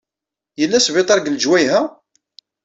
Yella sbiṭar deg leǧwayeh-a?